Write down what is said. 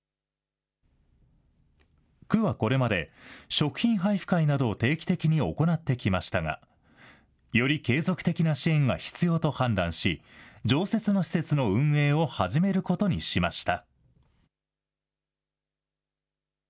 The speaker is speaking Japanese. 区はこれまで、食品配布会などを定期的に行ってきましたが、より継続的な支援が必要と判断し、常設の施設の運営を始めることにしました。